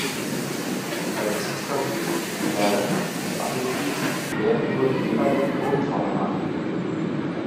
Bei den Substantiven, Verben und Adjektiven werden nur die jeweiligen Grundformen angegeben.